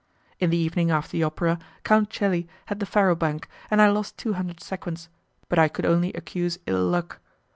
In the evening after the opera Count Celi had the faro bank, and I lose two hundred sequins, but I could only accuse ill luck.